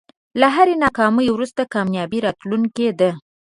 له هری ناکامۍ وروسته کامیابي راتلونکی ده.